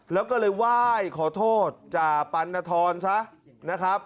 แล้วก็เลยไหว้ขอโทษจ่าปันนทรซะนะครับ